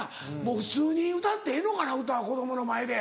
普通に歌ってええのかな歌子供の前で。